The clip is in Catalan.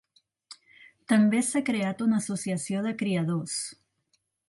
També s'ha creat una associació de criadors.